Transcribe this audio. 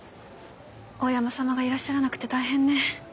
大山様がいらっしゃらなくて大変ね。